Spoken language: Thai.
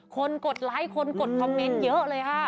กดไลค์คนกดคอมเมนต์เยอะเลยค่ะ